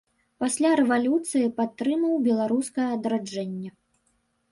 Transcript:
Пасля рэвалюцыі падтрымаў беларускае адраджэнне.